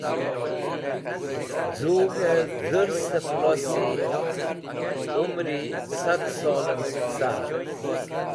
Z̃ug̃hẽ dhũrsẽ pẽlosẽ umri sad solẽn sẽk sar.